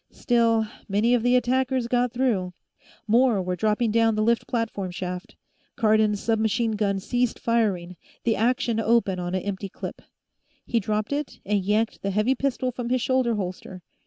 Still, many of the attackers got through. More were dropping down the lift platform shaft. Cardon's submachine gun ceased firing, the action open on an empty clip. He dropped it and yanked the heavy pistol from his shoulder holster.